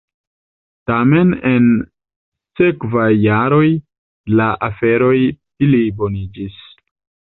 Tamen en la sekvaj jaroj la aferoj pliboniĝis.